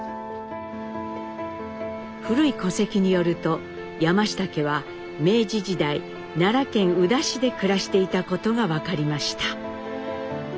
古い戸籍によると山下家は明治時代奈良県宇陀市で暮らしていたことが分かりました。